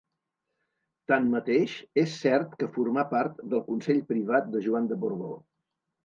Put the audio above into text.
Tanmateix, és cert que formà part del consell privat de Joan de Borbó.